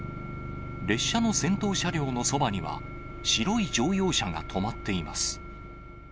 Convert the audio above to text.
列車の先頭車両のそばには、白い乗用車が止まっています。